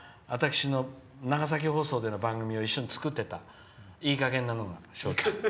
町長は私の長崎放送での番組を一緒に作っていたいいかげんな。